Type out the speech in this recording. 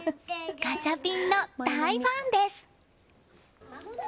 ガチャピンの大ファンです。